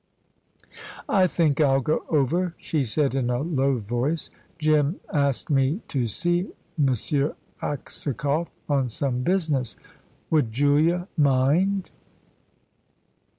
"I think I'll go over," she said in a low voice. "Jim asked me to see M. Aksakoff on some business. Would Julia mind?"